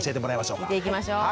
聞いていきましょう。